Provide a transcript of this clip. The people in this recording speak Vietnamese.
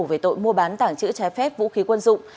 về tội mua bán tảng chữ trái phép vũ khí quân dụng